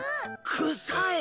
くさい？